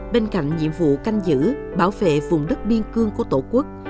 bên cạnh nhiệm vụ canh giữ bảo vệ vùng đất biên cương của tổ quốc